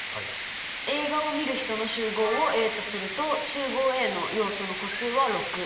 映画をみる人の集合をＡとすると集合Ａの要素の個数は６。